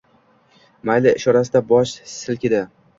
Mayli ishorasida bosh silkidi.